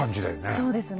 そうですね。